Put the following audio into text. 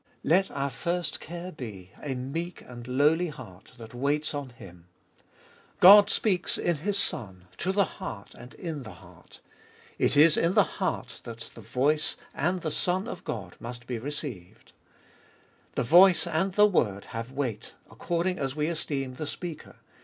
Let our first care be, a meek and lowly heart, that waits on Him. God speaks in His Son, to the heart, and in the heart. It is in the heart that the voice and the Son of God must be received. The voice and the word have weight according as we esteem the speaker.